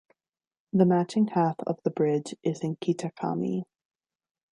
The matching half of the bridge is in Kitakami.